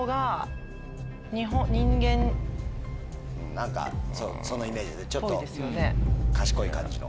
何かそのイメージでちょっと賢い感じの。